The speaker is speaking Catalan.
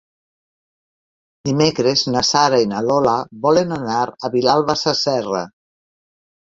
Dimecres na Sara i na Lola volen anar a Vilalba Sasserra.